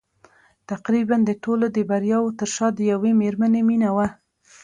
تقريباً د ټولو د برياوو تر شا د يوې مېرمنې مينه وه.